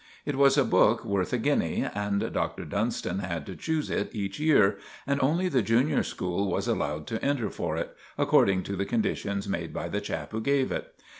It was a book worth a guinea, and Dr. Dunstan had to choose it each year, and only the junior school was allowed to enter for it, according to the conditions made by the chap who gave it.